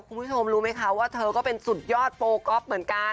คุณผู้ชมรู้ไหมคะว่าเธอก็เป็นสุดยอดโปรก๊อฟเหมือนกัน